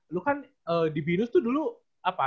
lu kan di binus tuh dulu apa